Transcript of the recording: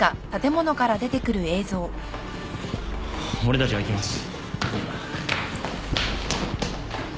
俺たちが行きます。